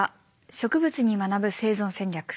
「植物に学ぶ生存戦略」。